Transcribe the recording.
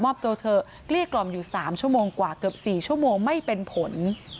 ตัวเถอะเกลี้ยกล่อมอยู่๓ชั่วโมงกว่าเกือบ๔ชั่วโมงไม่เป็นผล